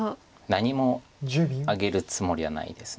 何もあげるつもりはないです